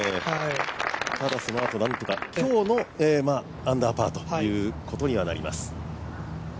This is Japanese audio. ただそのあとなんとか、今日のアンダーパーということになります。